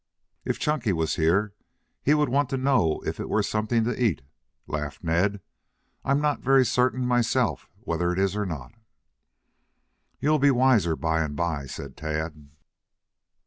"If Chunky was here he would want to know if it were something to eat," laughed Ned. "I'm not very certain myself whether it is or not." "You'll be wiser by and by," said Tad.